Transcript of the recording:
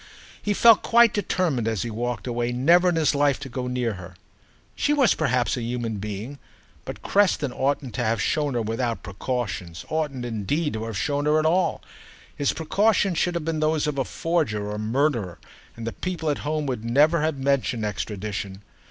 He felt quite determined, as he walked away, never in his life to go near her. She was perhaps a human being, but Creston oughtn't to have shown her without precautions, oughtn't indeed to have shown her at all. His precautions should have been those of a forger or a murderer, and the people at home would never have mentioned extradition.